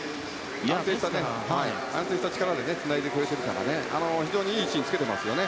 安定した力でつないでくれているから非常にいい位置につけてますよね。